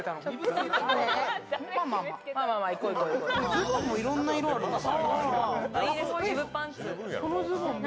ズボンもいろんな色あるんです。